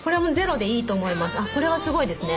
これはすごいですね。